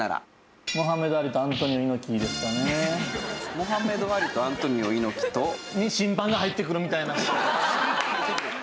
モハメド・アリとアントニオ猪木と？に審判が入ってくるみたいな。